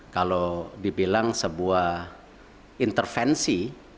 kalau dibilang sebuah intervensi